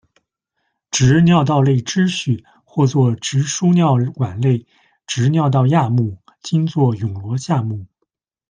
直尿道类支序，或作直输尿管类、直尿道亚目，今作蛹螺下目。